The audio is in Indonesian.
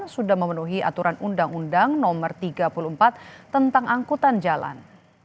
sudah memenuhi aturan undang undang no tiga puluh empat tentang angkutan jalan